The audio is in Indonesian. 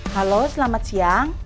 halo selamat siang